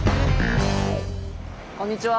こんにちは！